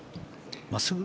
真っすぐ？